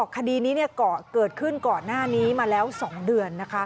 คดีนี้เกิดขึ้นก่อนหน้านี้มาแล้ว๒เดือน